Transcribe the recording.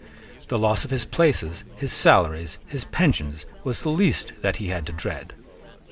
The loss of his places, his salaries, his pensions, was the least that he had to dread.